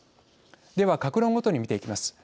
では各論ごとに見ていきます。